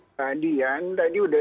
mbak dian tadi sudah